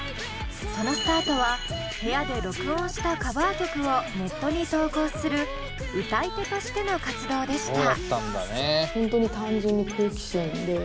そのスタートは部屋で録音したカバー曲をネットに投稿する歌い手としての活動でした。